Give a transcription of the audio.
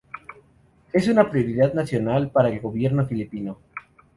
Es una prioridad nacional para el gobierno filipino.